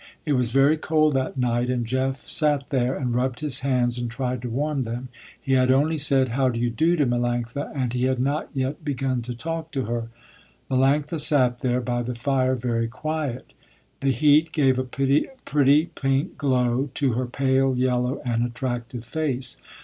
It was very cold that night, and Jeff sat there, and rubbed his hands and tried to warm them. He had only said "How do you do" to Melanctha, he had not yet begun to talk to her. Melanctha sat there, by the fire, very quiet. The heat gave a pretty pink glow to her pale yellow and attractive face.